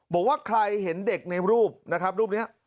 บอกว่าใครเห็นเด็กในรูปนะครับรูปนี้